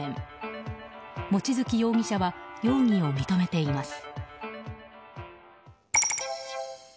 モチヅキ容疑者は容疑を認めています。